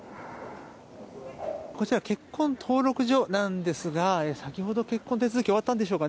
こちら結婚登録所なんですが先ほど結婚手続き終わったんでしょうか